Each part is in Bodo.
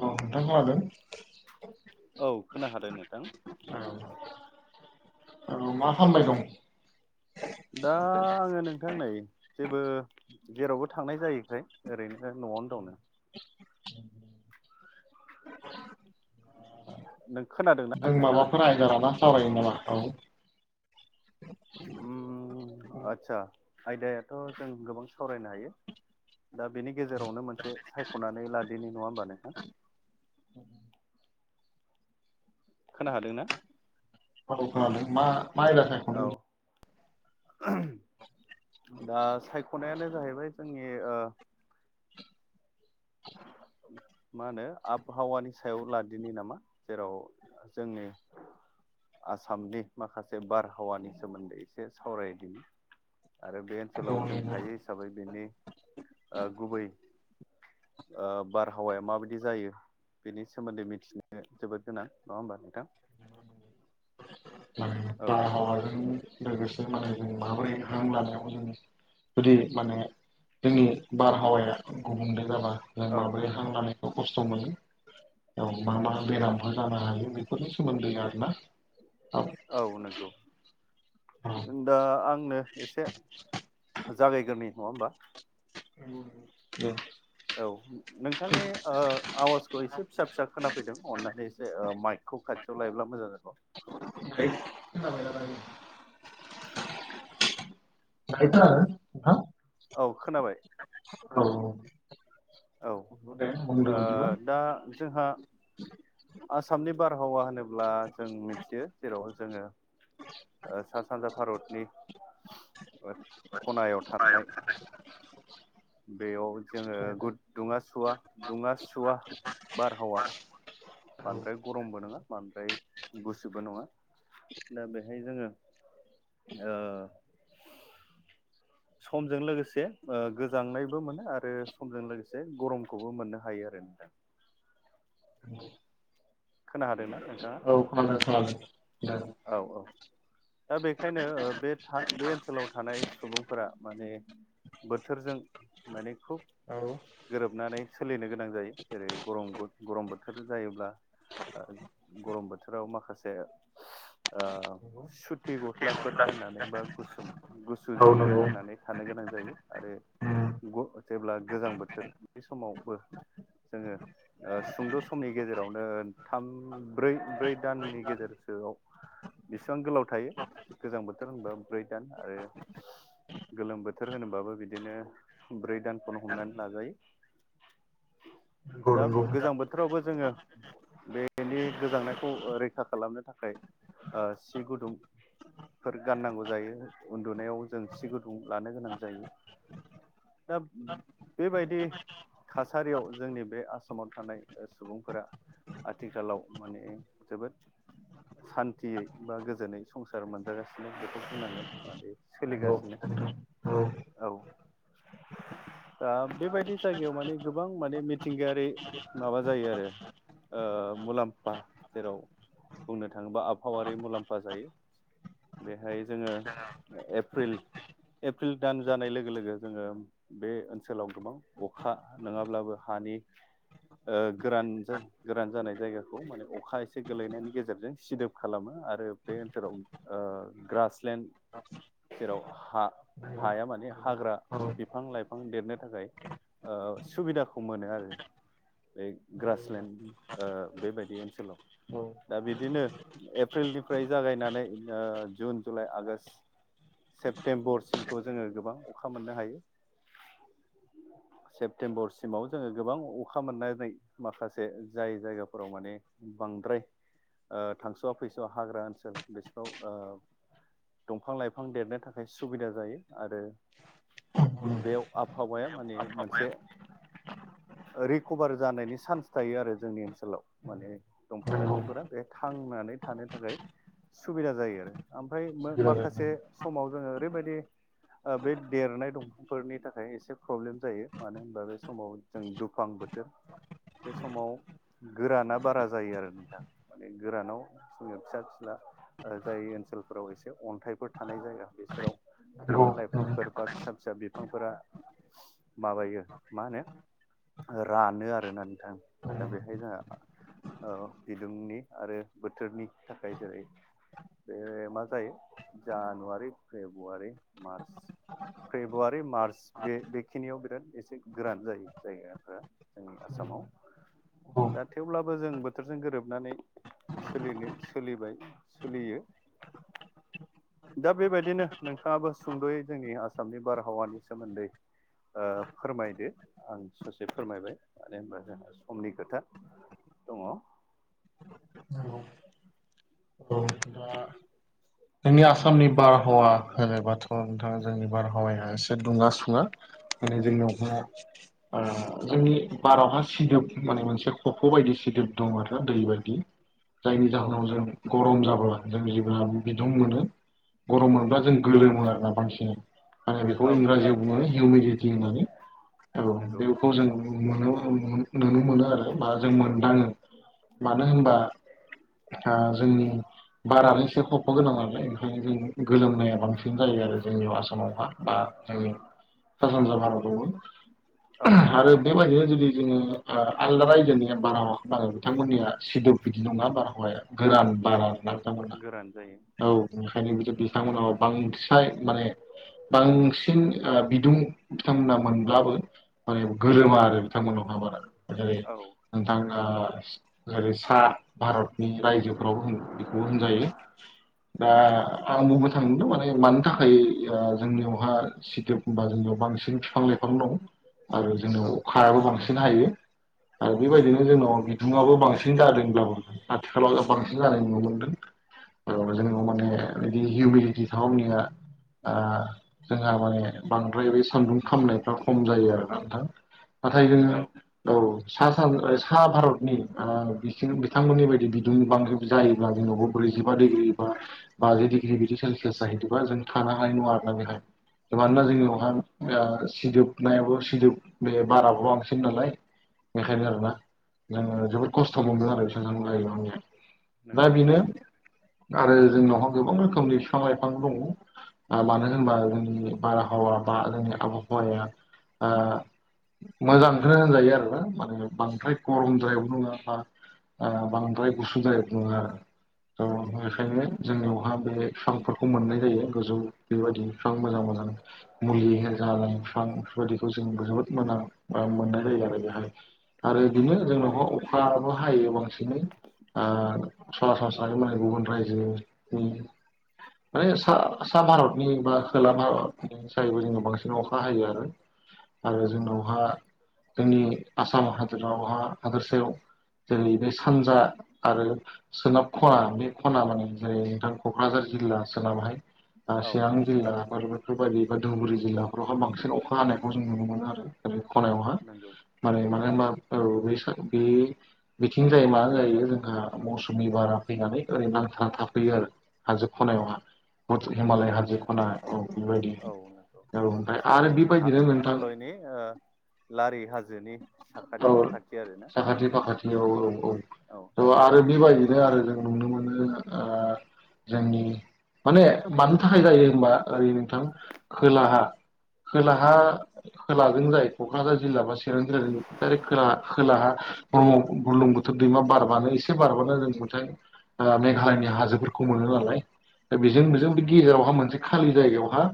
अ नोंथां खोनादों। औ खोना हादों नोंथां। औ औ मा खालामबाय दं दा आङो नोंथां नै जेबो जेरावबो थांनाय जायोखाय ओरैनो न'आवनो दंनो नों खोनादों ना नोंथाङा [unintelligible] जाबाय नाबा औ आस्सा आयदायाथ' जों गोबां सावरायनो हायो दा बेनि गेजेरावनो मोनसे सायख'नानै लादेरनाय नङा होमबा नोंथां खोना हादोंना औ मा मा आयदा औ सायख' दा सायख'नायानो जाहैबाय जोंनि ओ [inaudible] मा होनो आबहावानि सायाव लादिनि नामा जेराव जोंनि आसामनि माखासे बारहावानि सोमोन्दै एसे सावरायदि आरो बे ओनसोलाव औ जों नंगौ। थायो हिसाबै बेनि गुबै बारहावाया माबायदि जायो बेनि सोमोन्दै मिथिनो जोबोद गोनां नङा होमबा नोंथां औ आरो लोगोसे मालाय जों माबोरै हां लानांगौ जोङो जुदि माने जोंनि बारहावाया गुबुंले जाब्ला जों औ माब्रै हां लानायखौ खस्थ' मोनो याव मा मा बेरामफोर जानो हायो बेफोरनि सोमोन्दै आरोना औ नोंगौ दा आंनो एसे जागायग्रोनि नङा होमबा औ औ नोंथांनि आवाजखौ एसे फिसा फिसा खोनाफैदों अननानै एसे माइक खौ खाथियाव लायोब्ला मोजां जागौ [unintelligible] [unintelligible] औ खोनाबाय औ औ ओ नंगौ दे बुंदो बिदिबा दा जोंहा आसामनि बारहावा होनोब्ला जों मिथियो जेराव जोङो [unintelligible] ओ सा सानजा भारतनि ओ खनायाव थानाय बेयाव जोङो गुद दुङा सुवा दुङा सुवा बारहावा औ बांद्राय गरमबो नोङा बांद्राय गुसोबो नङा दा बेहाय जोङो ओ [inaudible] समजों लोगोसे ओ गोजांनायबो मोनो आरो समजों लोगोसे गरमखौबो मोननो हायो आरो नोंथां खोना हादोंना? नोंथाङा औ खोनादों खोनादों औ औ दा बेखायनो बे बे ओनसोलाव थानाय सुबुंफोरा माने बोथोरजों माने खुब औ गोरोबनानै सोलिनो गोनां जायो जेरै गरम गरम बोथोर जायोब्ला गरम बोथोराव माखासे ओ खोनादों सुथि गस्लाफोर गाननानै बा गुसुं गुसु जिफोर नोंथां गाननानै थानो गोनां जायो आरो ग जेब्ला गोजां बोथोर बे समावबो जोङो ओ सुंद' समनि गेजेरावनो थाम ब्रै ब्रै दाननि गेजेर दोआव बेसेबां गोलाव थायो गोजां बोथोर होनबा ब्रै दान आरो गोलोम बोथोर होनोबाबो बिदिनो ब्रै दानखौनो हमनानै लाजायो औ नंगौ उम नंगौ दाब गोजां बोथोरावबो जोङो बेनि गोजांनायखौ ओ रैखा खालामनो थाखाय ओ सि गुदुं फोर गाननांगौ जायो उन्दुनायाव जों सि गुदुं लानो गोनां जायो दाब बेबायदि थासारियाव जोंनि बे आसामाव थानाय ओ सुबुंफोरा आथिखालाव माने जोबोद सान्थियै बा गोजोनै संसार मोनजागासिनो बेखौ बुंनांगोन माने नंगौ नंगौ औ सोलिगासिनो औ औ दा बेबायदि जायगायाव माने गोबां माने मिथिंगायारि माबा जायो आरो ओ मुलाम्फा जेराव बुंनो थाङोबा आबहावारि मुलाम्फा जायो बेहाय जोङो ओ एप्रिल एप्रिल दान जानाय लोगो लोगो जोङो बे ओनसोलाव गोबां अखा नङाब्लाबो हानि ओ गोरान जों गोरान जानाय जायगाखौ माने अखा एसे गोलैनायनि गेज [unintelligible] सिदोब खालामो आरो बे ओनसोलाव ओ ग्रासलेण्ड जेराव हा हाया माने हाग्रा बिफां लाइफां देरनो थाखाय ओ सुबिदाखौ मोनो आरो बे नंगौ ग्रासलेण्ड ओ बेबायदि ओनसोलाव दा बिदिनो एप्रिलनिफ्राय जागायनानै ओ जुन जुलाइ आगोष्ट सेप्तेम्बरसिमखौ जोङो गोबां अखा मोननो हायो [unintelligible] सेप्तेम्बरसिमाव जोङो गोबां अखा मोननाय जायो माखासे जाय जायगाफोराव माने बांद्राय ओ थांस'वा फैस'वा हाग्रा ओनसोल बिसोराव ओ दंफां लाइफां देरनो थाखाय सुबिदा जायो आरो बेव आबहावाया माने मोनसे रिकभार जानायनि सान्स थायो आरो जोंनि ओनसोलाव माने दंफां लाइफांफोरा बे थांनानै थानो थाखाय सुबिदा जायो आरो ओमफ्राय माखासे समाव जोङो ओरैबायदि ओ बे देरनाय दं फोरनि थाखाय एसे प्रब्लेम जायो मानो होनबा बे समाव जों दुफां बोथोर बे समाव गोराना बारा जायो आरो नोंथां माने गोरानाव जोङो फिसा फिस्ला जाय ओनसोलफोराव एसे अन्थाइफोर थानाय जायगा बिसोराव बिफां लाइफांफोर नंगौ बा फिसा फिसा बिफांफोरा माबायो मा होनो रानो आरोना नोंथां दा बेहाय जोंहा ओ बिदुंनि आरो बोथोरनि थाखाय जेरै बे मा जायो January, February, March February March बे बेखिनियाव बिराद एसे गोरान जायो जायगाफ्रा जोंनि आसामाव औ दा थेवब्लाबो जों बोथोरजों गोरोबनानै सोलिनो सोलिबाय सोलियो दा बेबायदिनो नोंथाङाबो सुंद'यै जोंनि आसामनि बारहावानि सोमोन्दै ओ फोरमायदो आं ससे फोरमायबाय मानो होनबा जोंहा समनि खोथा दङ [unintelligible] औ द दा जोंनि आसामनि बारहावा होनोबाथ' नोंथाङा जोंनि बारहावाया एसे दुङा सुङा माने जोंनियावहा जोंनि बारावहा सिदोब माने मोनसे खफ' बायदि सिदोब दं आरो दै बायदि जायनि जाहोनाव जों गरम जाब्ला जोंनि जिबना बिदुं मोनो गरम मोनोब्ला जों गोलोमो आरोना बांसिन माने बेखौ औ इंराजियाव बुङो हिउमिडटि होननानै औ नंगौ बेखौ जों मोनो नुनो मोनो आरो बा जों मोनदाङो मानो होनबा जोंनि बारानो एसे हब बे गोनां नालाय ओंखायनो जों गोलोमनाया बांसिन जायो आरो जोंनि आसामाव हा बा जोंनि सा सानजा भारतावबो औ आरो बेबायदिनो जुदि जोङो आलदा रायजोनि बारावाखौो बिथांमोननिया सिदोब बिदि नङा बारहावाया गोरान बाराा बिथांमोना गोरान जायो औ ओंखायनो बिदि बिथांमोनाव बांद्राय माने बांसिन बिदुं बिथांमोना मोनब्लाबो माने गोरोमा आरो बिथांमोनाव ह बारा जेरै औ नोंथां जेरै सा भारतनि रायजोफोराव होन बेखौबो होनजायो दा आं बुंनो थांदों माने मानि थाखाय जोंनियावहा सिदोब होनबा जोंनयाव बांसिन बिफां लाइफां दं आरो जोंनाव औ अखायाबो बांसिन हायो आरो बेबायदिनो जोंनाव बिदुंआबो बांसिन जादोंब्लाबो आथिखालाव बांसिन जानाय नुनो मोनदों जोंङो माने बिदि हिउमिडटि थनिया जोंहा माने बांद्राय बै सान्दुं खामनायफ्रा खम जायो आरोना नोंथां औ नाथाय जोङो नंगौ औ सा सा भारतनि बिथांमोननि बायदि दुं बांग्र जायोब्ला जोंनावा ब्रैजिबा दिग्री होयोबा बाजि डिग्रि बिदि सेलसियास जाहैदोंबा जों थानो हानाय नङा आरोना बेहाय मानोना औ जोंनियावहा सिजोबनायाबो सिदोब बे बाराबो बांसिन नालाय बेखायनो आरो ना जोङो जोबोद खस्थ' मोनदों आरो बिसोरजों नायलांनाया दा नंगौ बेनो थारैनो आरो जोंनावहा गोबां रोखोमनि बिफां लाइफां दङ मानो होनबा जोंनि बारहावा बा जोंनि आबहावाया मोजांखौनो होनजायो आरोोना माने बांद्राय गरमद्रायावबो नङा बा बांद्राय गुसु जाय बुङो आरो थ नंगौ बेखायनो जोंनियावहा बे बिफांफोरखौ मोननाय जायो गोजौ बेबायदि बिफां मोजां मोजां मुलि जालां बिफां बेफोरबायदिखौ जों जोबोद मोजां मोननाय जायो आरो बेहाय आरो बिदिनो नंगौ जोंनाव थारैनो अखाबो हायो बांसिनै आ सरासनस्रायै मालाय गुबुन रायजोनि माने सा- सा भारतनि बा खोला भारतनि जायोबो जोंङो बांसिन अखा हायो। आरो आरो जोंनावहा जोंनि आसाम हादोरावहा हादोरसायाव जेरै बे सानजा आरो सोनाब खना बे खना माने जेरै नोंथां क'क्राझार जिल्ला सोनावहाय औ सिगांनि जिल्ला ब बेफोरबायदि बा धुबुरि जिल्लाफोरावहाय बांसिन अखा हानायखौ जों नुनो मोनो आरो खनायावहा नंगौ माने थारैनो मानो होनबा औ बे बे बिथिं जाय मा जायो जों जोंहा मौसुमि बारा फैनानै ओरै नांथा थाफैयो आरो हाजो खनायावहा हिमालय हाजो हाजजो खनायाव खना औ बेबायदि नंगौ औ ओमफ्राय माखासे आरो बेबायदिनो नोंथां हिमालयनि लारि हाजोनि औ साखाथि फाखाथि आरोना साखाथि औ फाखाथि औ औ आरो बेबायदिनो आरो जों नुनो मोनो। ओ जोंनि माने मानो थाखाय जायो होनबा ओरै नोंथां खोलाहा खोलाहा खोलाजों जायो क'क्राझार जिल्ला बा ख खोला -खोलाहा बुरलुं बोथोर दैमा बार मानो एसे बाराबानो जों मथाय मेघालयनि हाजोफोरखौ मोनो नालाय दा बेजों -बेजों नंगौ बे गेजेरावहा मोनसे खालि जायगायावहा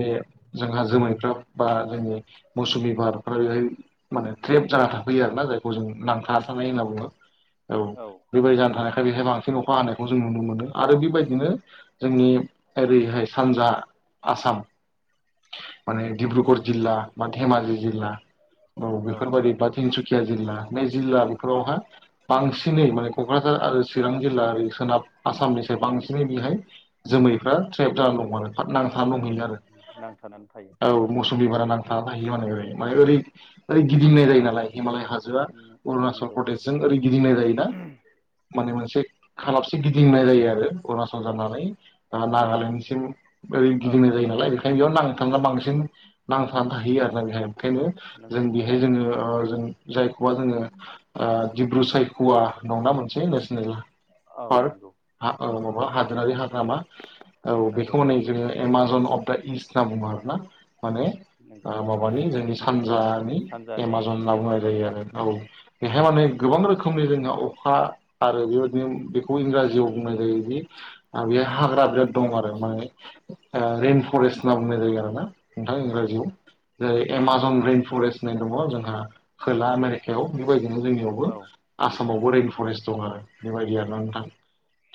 बे जोंहा जोमैफ्रा बा जोंनि मौसुमि बारफ बेहाय माने ट्रेप जाना थाैयो आरोना जायखौ जों नांथार थांनाय होनना बुङो। औ बेबायदि जानो नंगौ थानायखाय बेहाय बांसिन फा होनानायखौ जों नुनो मोनो। आरो बेबायदिनो जोंनि ओरैहाय सानजा आसाम माने डिब्रुगर जिल्ला बा धेमाजि जिल्ला औ बेफोरबायाददि बा तिनसुकिया जिल्ला बे जिल्ला बेफोरावहाय बांसिनै माने क'क्राझार आरो चिरां जिल्ला ओर सोनाब आसामनिस बांसिनै बेहाय जोमैफ्रा ट्रेप जानानै दं माल फ नांथानो दंहैयो आरो। नांथानानै थायो। औ मसम बेमारा नांथाबा थाहायो माने ओरै माने ओरै -ओरै गिदिंनाय जायो नालाय। हिमालय हाजोआ अरुणाचल नंगौ प्रदेशजों ओरै गिदिंनाय जायोना? माने मोनसे खालाबसे गिदिंनाय जायो आरो अरुणाचल जानानै नागालेण्डनिसिम ओरै औ गिदिंनाय जायो नालाय बेखायनो बेयाव नांनो थांना बांसिन नांथाब होयो आरो ना बेहाय ओंखांनो जों नंगौ बेहाय थारैनो जोङो ओ जों जायखौबा जोङो ओ रुसायखुवा नंना मोनसे नेसनेल औ पार्क नंगौ औ माबा हादोरारि हाग्रामा औ नंगौ बेखौ होननाय जोङो एमाजन अफ दा इस्ट होनना बुङो आरोना माने नंगौ माबानि जोंनि सानजानि सानजानि एमाजन होनना बुंनाय एमाजन जायो। आरो औ माने [unintelligible] नंगौ गोबां रोखोमनि जोंहा अखा आरो बेबायदिनो बेखौ इंराजियाव बुंनाय जायोदि आं बेयाव हाग्रा दं आरो माने रइ फरेस्ट होनना बुंनाय जायो। आरोना नोंथाङा नंगौ इंराजियाव जेरै एमाजन रइेन फरेस्ट होननाय दङ जोंहा खोला आमेरिकायाव बेबायदिनो जोंनियाव औ आसामावबो रैइन फरेस्ट दं आरो बेबायदि आरोा नोंथां।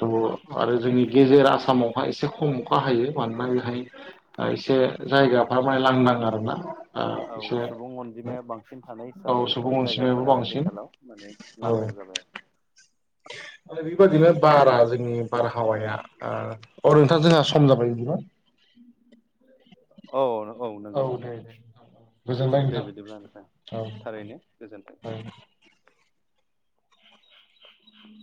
औ नंगौ आरो जोंनि थारैनो गेजेर आसामाव एसे खम अखा हायो मानोना बेहाय एसे जायगाफ्रा माय लांदां आरोना। औ एसे सुबुं अनजिमाया बांसिन थानाय औ हिसाबै सुबुं अनजिमायाबो जायगाफोरा बांसिन आथिखालाव माने लांदां जाबाय बेबादिनो बारा जोंनि बारहावाया ओ अ नोंथा जोंहा सम जाबाय बिदिबा औ नंगौ औ नंगौ। दे दे गोजोनबाय दे नोंथां बिदिब्ला नोंथां औ थारैनो गोजोन्थों। औ [inaudible]